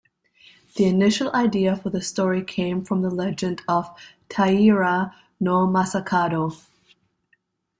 The initial idea for the story came from the legend of Taira no Masakado.